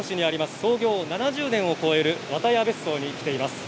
創業７０年を超える和多屋別荘に来ています。